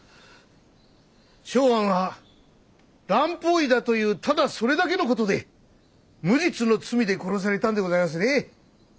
松庵は蘭方医だというただそれだけの事で無実の罪で殺されたんでございますね